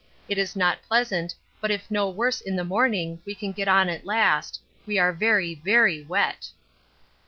It is not pleasant, but if no worse in the morning we can get on at last. We are very, very wet.